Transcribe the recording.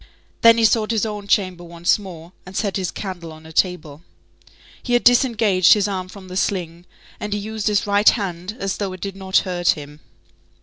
Then he sought his own chamber once more, and set his candle on a table. He had disengaged his arm from the sling, and he used his right hand as though it did not hurt him.